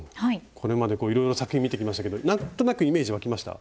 これまでいろいろと作品見てきましたけど何となくイメージわきました？